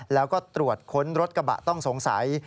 แล้วก็ตรวจค้นรถกระบะต้องสงสัย